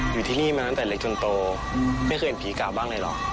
อยู่ที่นี่มาตั้งแต่เล็กจนโตไม่เคยเห็นผีเก่าบ้างอะไรหรอก